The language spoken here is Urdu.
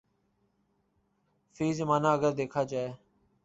فی زمانہ اگر دیکھا جائے